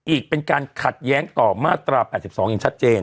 อีกเป็นการขัดแย้งต่อมาตรา๘๒อย่างชัดเจน